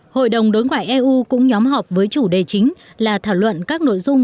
hội đồng đối ngoại eu cũng nhóm họp với chủ đề chính là thảo luận các nội dung